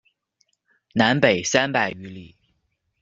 南北三百余里。